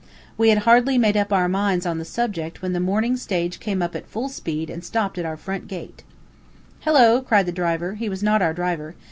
We had hardly made up our minds on the subject when the morning stage came up at full speed and stopped at our gate. "Hello!" cried the driver. He was not our driver.